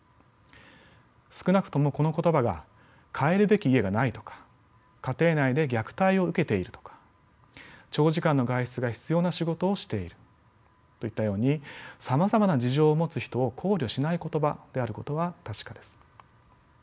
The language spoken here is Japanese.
少なくともこの言葉が帰るべき家がないとか家庭内で虐待を受けているとか長時間の外出が必要な仕事をしているといったようにさまざまな事情を持つ人を考慮しない言葉であることは確かです。